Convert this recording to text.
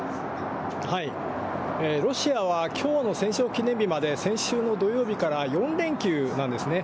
ロシアは、きょうの戦勝記念日まで、先週の土曜日から４連休なんですね。